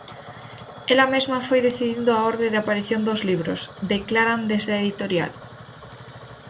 Ela mesma foi decidindo a orde de aparición dos libros, declaran desde a editorial.